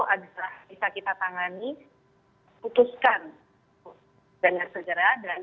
adalah bisa kita tangani putuskan dengan segera dan